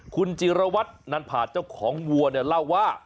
คุณจิรวัตนันผาเจ้าของวัวเนี่ยเล่าว่า